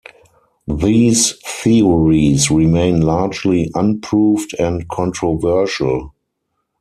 These theories remain largely unproved and controversial.